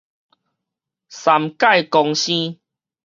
三界公生